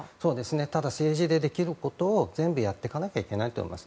ただ、政治でできることを全部やらなければいけないと思います。